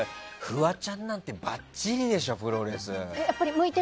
フワちゃんなんてばっちりでしょプロレス。